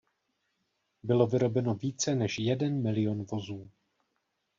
Bylo vyrobeno více než jeden milion vozů.